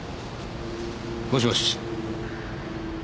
もしもし。